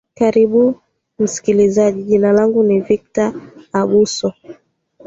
karibu msikilizaji jina langu ni victor abuso